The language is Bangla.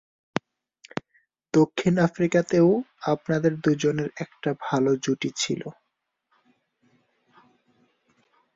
দক্ষিণ আফ্রিকাতেও আপনাদের দুজনের একটা ভালো জুটি ছিল...